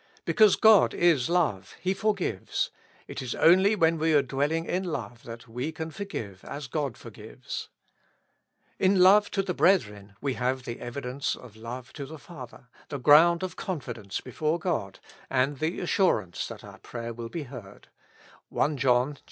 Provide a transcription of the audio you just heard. Because God is love, He forgives ; it is only when we are dwelling in love that we can forgive as God forgives. In love to the brethren we have the evidence of love to the Father, the ground of confidence before God, and the assurance that our prayer will be heard, (i John iv.